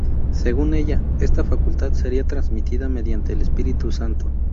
Según ella, esta facultad sería transmitida mediante el Espíritu Santo.